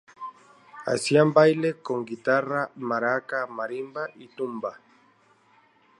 Hacían baile con guitarra, maraca, marimba y tumba.